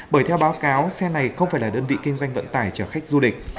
bởi theo báo cáo xe này không phải là đơn vị kinh doanh vận tải chở khách du lịch